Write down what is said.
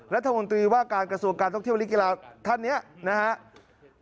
รัฐมนตรีว่าการกระทรวงการท่องเที่ยวและกีฬาท่านนี้นะครับ